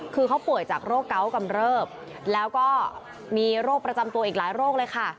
คือเขาป่วยจากโรคเกาะกำเริบแล้วก็มีโรคประจำตัวอีกหลายโรคเลยค่ะ